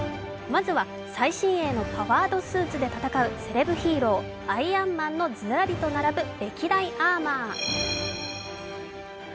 まずは最新鋭のパワードスーツで戦うセレブヒーロー、アイアンマンのずらりと並ぶ歴代アーマー。